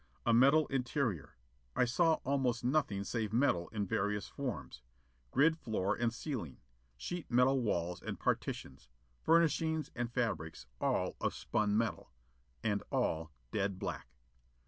A metal interior. I saw almost nothing save metal in various forms. Grid floor and ceiling. Sheet metal walls and partitions. Furnishings and fabrics, all of spun metal. And all dead black.